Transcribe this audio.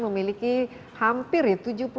memiliki hampir ya